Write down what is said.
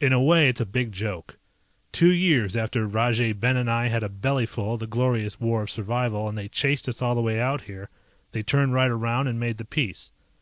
In a way it's a big joke. Two years after Rajay Ben and I had a bellyfull of the Glorious War of Survival and they chased us all the way out here, they turned right around and made the peace.